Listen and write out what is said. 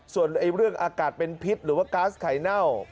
ส่วนเรื่องอากาศเป็นพิษหรือว่าก๊าซไข่เน่า